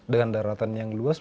dengan daratan yang luas